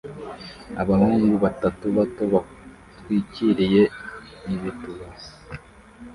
abahungu batatu bato bitwikiriye ibituba